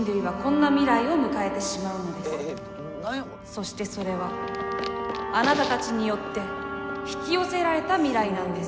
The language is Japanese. そしてそれはあなたたちによって引き寄せられた未来なんです。